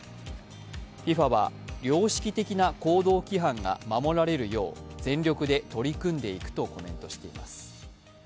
ＦＩＦＡは良識的な行動規範が守られるよう全力で取り組んでいくとコメントしています。